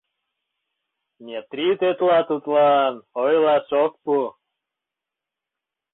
Метрий тетла тудлан ойлаш ок пу.